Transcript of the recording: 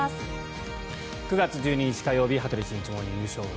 ９月１２日、火曜日「羽鳥慎一モーニングショー」。